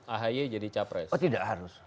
ahi jadi capres oh tidak harus